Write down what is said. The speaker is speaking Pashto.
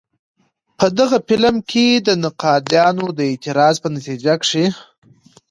په غه فلم د نقادانو د اعتراض په نتيجه کښې